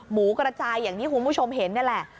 หมูกระจายอย่างที่คุณผู้ชมเห็นนี่แหละ